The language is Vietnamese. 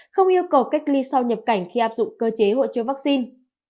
không yêu cầu cách ly sau nhập cảnh khi áp dụng cơ chế hộ chiếu vaccine